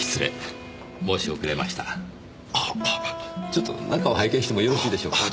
ちょっと中を拝見してもよろしいでしょうか？